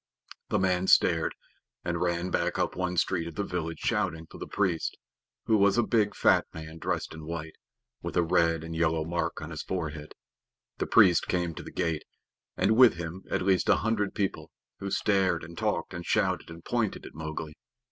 The man stared, and ran back up the one street of the village shouting for the priest, who was a big, fat man dressed in white, with a red and yellow mark on his forehead. The priest came to the gate, and with him at least a hundred people, who stared and talked and shouted and pointed at Mowgli.